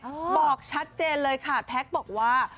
บอกชัดเจนเลยค่ะแท็กบอกว่า